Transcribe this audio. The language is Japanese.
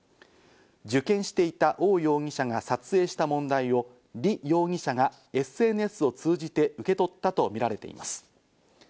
受験していたオウ容疑者が撮影した問題をリ容疑者がＳＮＳを通じて受け取ったとみられています。